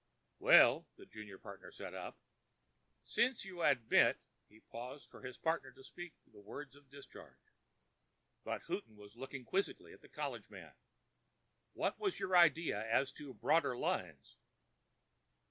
"Well—" the junior partner sat up—"since you admit——" He paused for his partner to speak the words of discharge. But Houghton was looking quizzically at the college man. "What was your idea as to broader lines?"